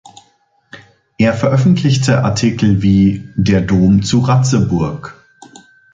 Er veröffentlichte Artikel wie "Der Dom zu Ratzeburg.